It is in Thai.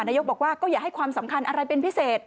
นายกบอกว่าก็อย่าให้ความสำคัญอะไรเป็นพิเศษ